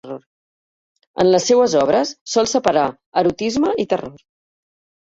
En les seues obres sol separar erotisme i terror.